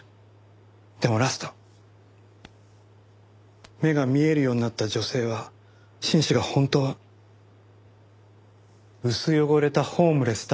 でもラスト目が見えるようになった女性は紳士が本当は薄汚れたホームレスだと知る。